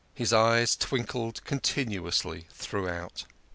His eyes twinkled continuously throughout.